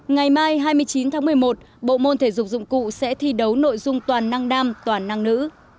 ngày mai hai mươi chín tháng một mươi một bộ môn thể dục dụng cụ sẽ thi đấu nội dung toàn năng toàn năng nữ